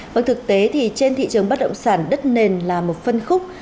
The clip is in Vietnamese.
vâng thực tế thì trên thị trường bất động sản đất nền là một phân khúc